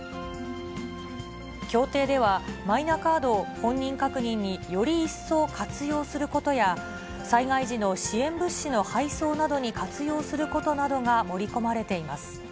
協定では、マイナカードを本人確認により一層活用することや、災害時の支援物資の配送などに活用することなどが盛り込まれています。